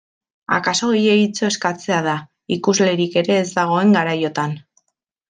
Akaso gehiegitxo eskatzea da, ikuslerik ere ez dagoen garaiotan.